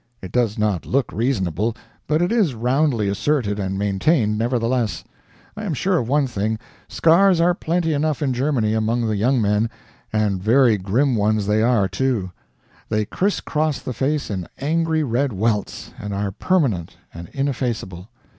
It does not look reasonable, but it is roundly asserted and maintained, nevertheless; I am sure of one thing scars are plenty enough in Germany, among the young men; and very grim ones they are, too. They crisscross the face in angry red welts, and are permanent and ineffaceable.